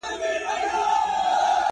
زه هم د بهار د مرغکیو ځالګۍ ومه.!